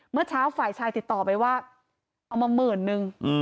เมื่อเช้าฝ่ายชายติดต่อไปว่าเอามาหมื่นนึง